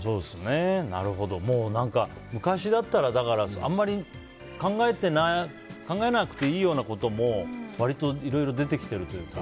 もう何か、昔だったらあんまり考えなくていいようなことも割といろいろ出てきているというか。